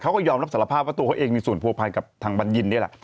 เขาก็ยอมรับสารภาพว่าตัวเองมีสูญผวปภัณฑ์กับทางบัญญินทร์